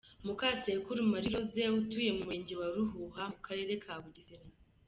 Mukasekuru Marie Rose, atuye mu Murenge wa Ruhuha mu Karere ka Bugesera.